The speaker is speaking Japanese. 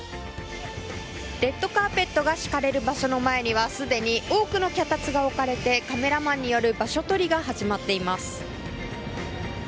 レッドカーペットが敷かれる場所の前には、すでに多くの脚立が置かれて、カメラマンによる場所取りが始まっています。